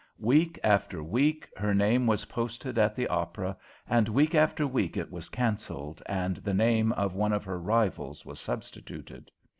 Week after week her name was posted at the Opera, and week after week it was canceled, and the name of one of her rivals was substituted.